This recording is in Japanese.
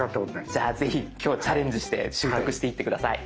じゃあぜひ今日はチャレンジして習得していって下さい。